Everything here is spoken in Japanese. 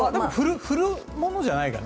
振るものじゃないから。